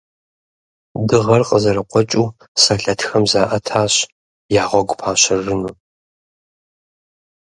Дыгъэр къызэрыкъуэкӏыу, сэлэтхэм заӏэтащ я гъуэгу пащэжыну.